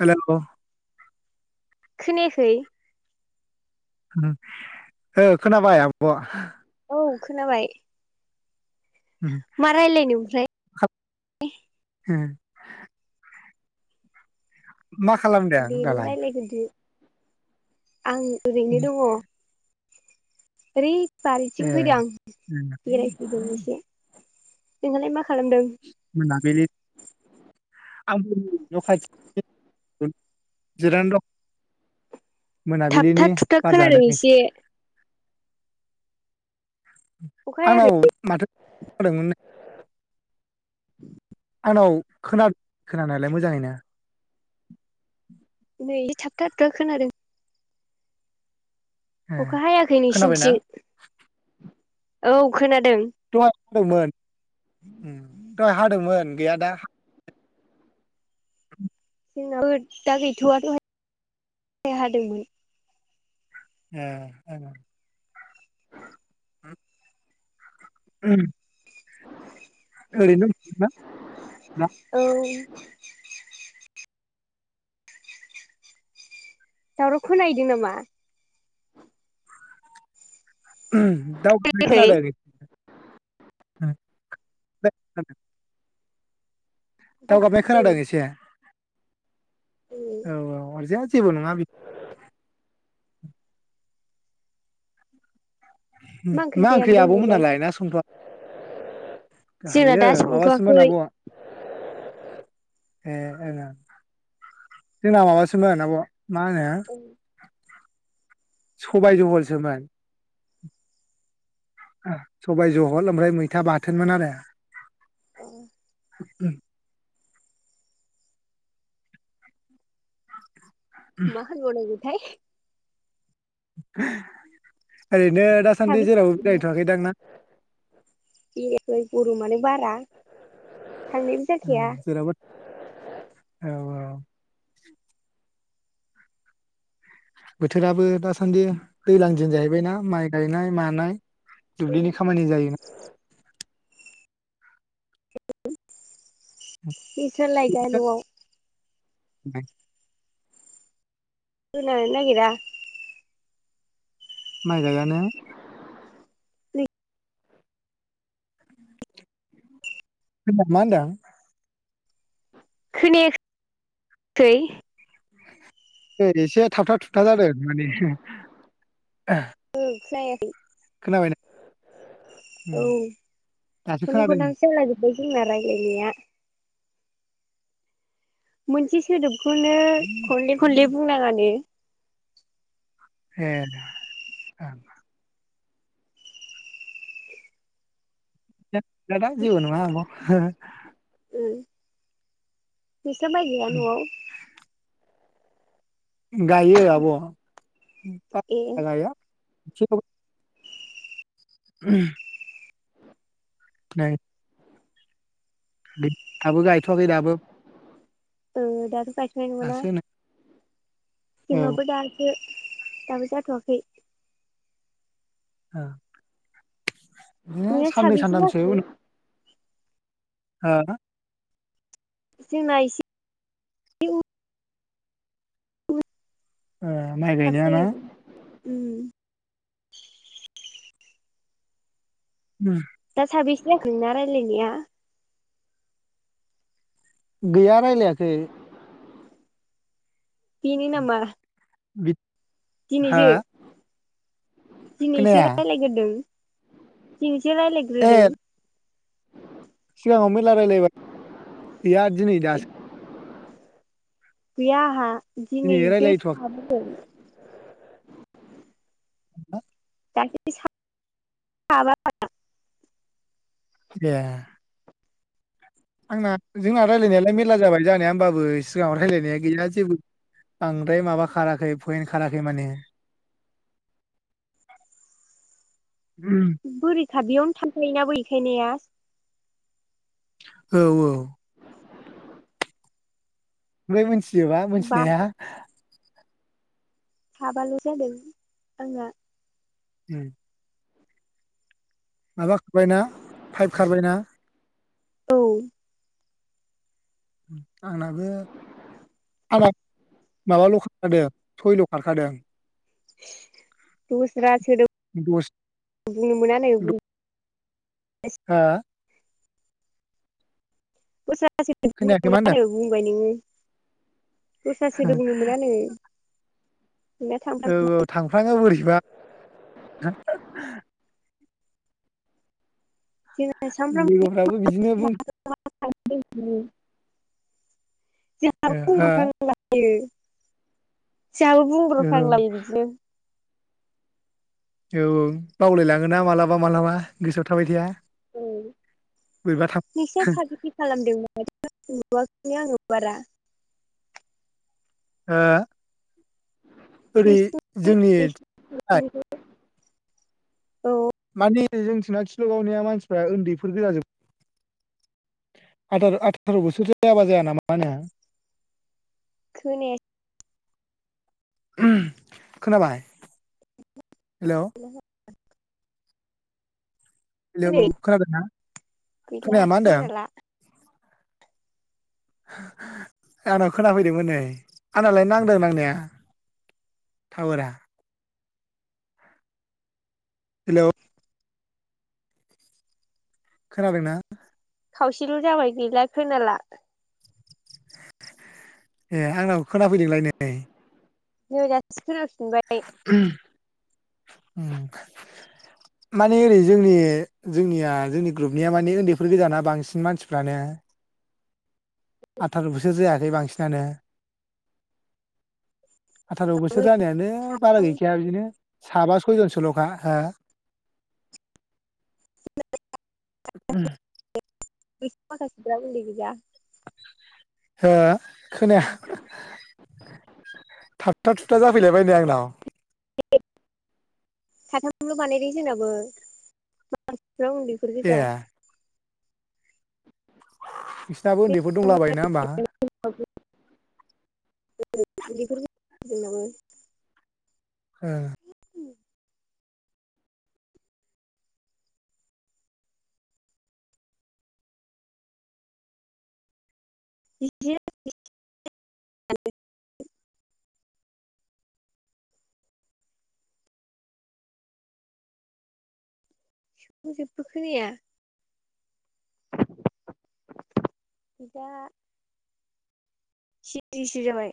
Hello खोनायाखै? ओ खोनाबाय आब'। औ खोनाबाय। उम, मा रायलायनो ओमफ्राय? खा- उम। मा खालामदों दे नों दालाय? रायलायग्रोदो आं ओरैनो उम, दङ'। ओरै बारिथिं फैदो ए आं उम, बेरायफैदों। नोंहालाय मा खालामदों मोनाबिलि [unintelligible] जिरायना दं। मोनाबिलिनि थाबथा थुुबथा बार जादों खोनादों एसे। अखा हायाखै आंनाव माथो [unintelligible] आंनाव खोना खोनानायालाय मोजाङैनो। नै थाबथा थाबथा खोनादों। ए अखा हायाखै खोनाबायना नोंसिनिथि? औ खोना दों। दो़ंमोन। दहाय हादोंमोन। गैया दा [inaudible] जोंनावबो दा गैथ'वा दहाय हादोंमोन। होम। उम ओरैनो [unintelligible] [unintelligible] दावराव खौनाहैदों नामा? दावगाबनाय खोनायाखै खोनादों आगै [unintelligible] दावगाबनाय खोनादों एसे उम औ औ अरजाया जेबो नङा बि मा ओंख्रि आबमो नालाय ना संथआ जोंना हायो दा माबासोमोन संथवाखै आब' ए जोंना माबासोमोन आब मान औ होनो सबायाइ जहलसोमोन सबाय जहल ओमफ्राय मैथा बाथोनमोन आरो अ [unintelligible] मा होनबाव नांगौ थाय? [unintelligible] ओरैनो दासान्दि साबेसे जेरावबो बेरायथवाखैदां ना? [unintelligible] देग्लाय गरमानो बारा थांनायबो जाखाया जेरावबो औ औ बोथोराबो दासान्दि दैज्लां दिन जाहैबायनाा माइ गायनाय मानाय दुब्लिनि खामानि जायोना बिसोर लायगा नआव द [unintelligible] [unintelligible] नागेरा माइ गायबायने मा होनदों खोनायाखै [unintelligible] थाबथा थुबथा जादों माने ओ [unintelligible] खोनाबाय ना? औ दासो खननै खोनादों खनथामसो जाला जोबबाय जोंना रायज्लायनाया। मोनसे सोदोबखौनो खनले खनले बुंनांङानो ए ओं दे नोंथां जेबो नङा ओ नोंस्रा माय गाया नआव‌? गायो आब' ए बारा गाया [unintelligible] [inaudible] [unintelligible] दाबो गायथ'वाखै दाबो औ दा गायथ'नाय नङाना? दासो नै औ जोंनाबो दासो दाबो जाथ'वाखै। ओ बिदिनो नोंना साननै साबेसे सानथामसो जाखो उन [unintelligible] जोंना इसे ओ माइ थाब गायनाया ना? जायो उम उम दा साबैसे जाखो नोंनिया रायलायनाया? गैया रायलायाखै। बिनो नामा? बि दिनैसो दिनै एसे खोनाया रायलायगोरदो दिनैसो सो ए रायलायग्रोदो औ मेरला रायलायबाय गैया दिनै दासो गैया आहा दिनै दिनैसो रायलायथ'वाखै साब्रै [inaudible] दासो‌ साबा ए आंना जोंना रायलायनायालाय मेरला जाबाय जानाया होमबाबो सिगाङाव रायलायनाया गैया जेबो बांद्राय माबा खाराखै पइन्ट खाराखै माने। बोरि [unintelligible] थामफाय नाबोखायनाया। औ औ। ओमफ्राय मोनसे। गिजोबा बा मिथिनाया। साबाल जादों आंना। उम। माबा खारबायना पाइप खारबायना। औ। आंनाबो आंना माबाल खारखादों सयल खारखादों। दस्रा सोदोम दस बुंनो मोना नो। हा। बस द खोनायाखै मा बुंनोमोना होनदों बुंबाय नोङो दस्रासोदोब बुंनोमोना नो। औ औ थांफ्लाङो बोरैबा। [inaudible] [inaudible] लोगोफ्राबो बिदिनो बुं। [inaudible] हो औ [unintelligible] जहाबो बुंब्रो फ्लालायो औ बिदिनो। औ औ बावलाय लाङोना मालाबा मालाबा गोसोआव थाबाय थाया। औ बोरैबा थां नोंसना साबेसे खालामदोंमोन [unintelligible] आङो बारा। हो। ओरै नोंसिना जोंनि। औ। माने जोंथिना किलगावनिया मानसिफ्रा उन्दैफोर गोजाजोब आथार बोसोरसो जायाबा जाया नामा मा होनो। खोनाया। खोनाबाय। हेल' हेलौ खोनायो खोनादों ना गैला खोनाया मा होनदों आं। खोनाला आंनाव खोनाफैदोंमोन नै आंननालाय नांदों नांनाया टावारा हेल' खोनादोना। खावसेल जाबाय गैला खोनला। ए आंनाव खोनाफैदोंलाय नै। नैराथि। खोनाफिनबाय माने ओरै जोंनि जोंनिया जोंनि ग्रुपनिया माने उन्दैफोर गोजाना बांसिन मानसिफ्रानो आथार' बोसोर जायाखै बांसिनानो आथार' बोसोर जानायानो बारा गैखाया बिदिनो साबा सयजन सोलखा हो [inaudible] बैसोर माखासेफोरा उनदै गोजा हो खोनाया थाबथा थुबथा जाफैलायबाय‌न नै आंनाव साथामल बानायदों जोंनाबो ज्राव उन्दैफोर ए गोजा नोंहाबो उन्दैफोर दंलाबायङो नोंङा होमबा उन्दैफोर दं जोंनाबो हो [unintelligible] आयौ जेब्बो खोनाया बिदा सिथिसोजाबाय